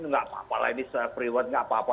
nggak apa apa lah ini freewer nggak apa apa